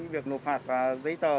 việc nộp phạt và giấy tờ